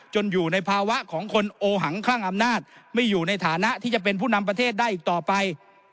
อยู่ในภาวะของคนโอหังคลั่งอำนาจไม่อยู่ในฐานะที่จะเป็นผู้นำประเทศได้อีกต่อไป